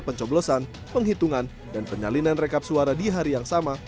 pencoblosan penghitungan dan penyalinan rekap suara di hari yang sama